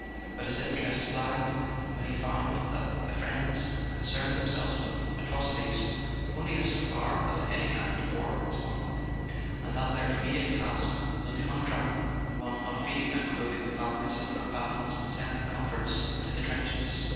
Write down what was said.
But his interest flagged when he found that the "Friends" concerned [ 174 ] A SON AT THE FRONT themselves with Atrocities only in so far as any act of war is one, and that their immediate task w T as the humdrum one of feeding and clothing the families of the combatants and sending " comforts " to the trenches.